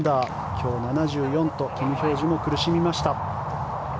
今日、７４とキム・ヒョージュも苦しみました。